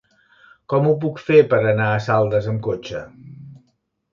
Com ho puc fer per anar a Saldes amb cotxe?